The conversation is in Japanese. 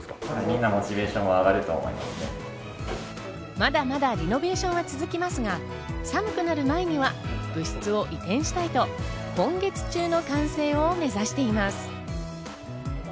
まだまだリノベーションは続きますが、寒くなる前には部室を移転したいと、今月中の完成を目指しています。